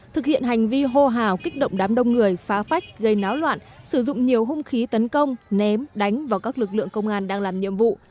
thực hiện hành vi hô hào kích động đám đông người phá phách gây náo loạn sử dụng nhiều hung khí tấn công ném đánh vào các lực lượng công an đang làm nhiệm vụ